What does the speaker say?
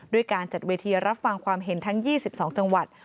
การจัดเวทีรับฟังความเห็นทั้ง๒๒จังหวัด